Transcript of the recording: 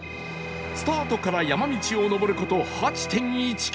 スタートから山道を上る事 ８．１ キロ